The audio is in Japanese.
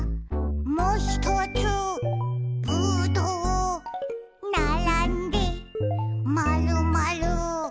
「もひとつぶどう」「ならんでまるまる」